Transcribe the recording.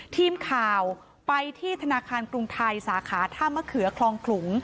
ทีมข่าวไปที่ธนาคารกรุงไทยสาขาท่ามะเขือคลองขลุง